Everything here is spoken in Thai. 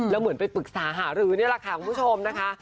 แล้วเหมือนไปปรึกษาหารือนี่แหละค่ะคุณผู้ชมนะคะ